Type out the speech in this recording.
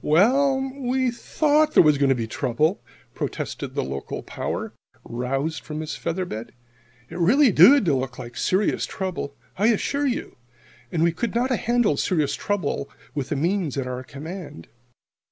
"Well, we thought there was going to be trouble," protested the local power, roused from his feather bed. "It really did look like serious trouble, I assure you. And we could not have handled serious trouble with the means at our command.